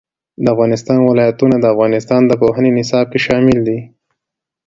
د افغانستان ولايتونه د افغانستان د پوهنې نصاب کې شامل دي.